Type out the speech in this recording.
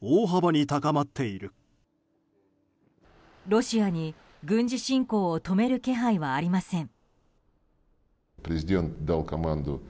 ロシアに軍事侵攻を止める気配はありません。